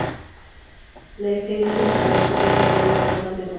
La estenosis aórtica es un problema bastante común.